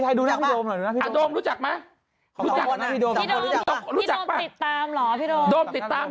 เราพูดเรื่องที่ไม่รู้จักเลย